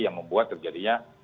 yang membuat terjadinya